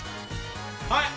はい。